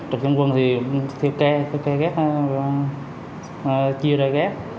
trực tranh quân thì thiêu kê thiêu kê ghét chia ra ghét